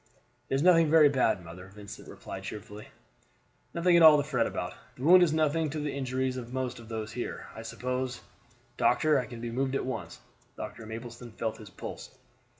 "It is nothing very bad, mother," Vincent replied cheerfully; "nothing at all to fret about. The wound is nothing to the injuries of most of those here. I suppose, doctor, I can be moved at once?" Doctor Mapleston felt his pulse.